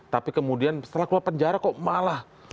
tapi kemudian setelah keluar penjara kok malah